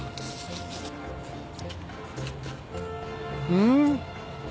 うん。